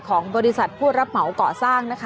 ของบริษัทผู้รับเหมาก่อสร้างนะคะ